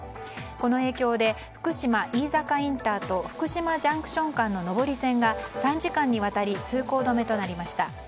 この影響で、福島飯坂インターと福島ＪＣＴ間の上り線が３時間にわたり通行止めとなりました。